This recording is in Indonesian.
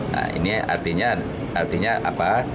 nah ini artinya apa